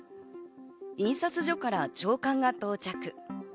印刷所から朝刊が到着。